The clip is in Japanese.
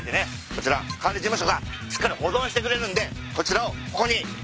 こちら管理事務所がしっかり保存してくれるんでこちらをここに入れてください。